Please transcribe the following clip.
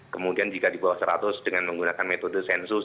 kemudian jika di bawah seratus dengan menggunakan metode sensus